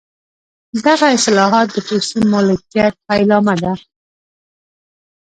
دغه اصلاحات د خصوصي مالکیت پیلامه ده.